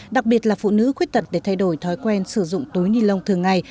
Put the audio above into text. đặc biệt là phụ nữ khuyết tật để thay đổi thói quen sử dụng túi ni lông thường ngày